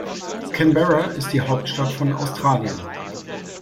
Canberra ist die Hauptstadt von Australien.